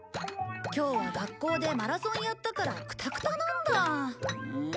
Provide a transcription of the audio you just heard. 今日は学校でマラソンやったからクタクタなんだ。